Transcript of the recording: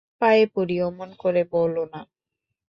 পায়ে পড়ি, অমন করে বলো না।